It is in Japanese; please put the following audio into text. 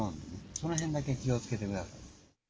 そのへんだけ気をつけてください。